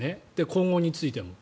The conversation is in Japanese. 今後についても。